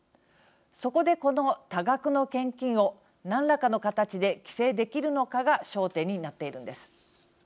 そこで、この多額の献金を何らかの形で規制できるのかが焦点になっているんです。